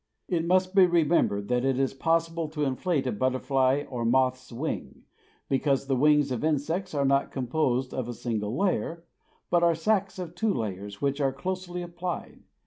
It must be remembered that it is possible to inflate a butterfly or moth's wing, because the wings of insects are not composed of a single layer, but are sacs of two layers which are closely applied.